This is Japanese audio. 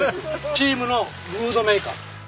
チームのムードメーカー。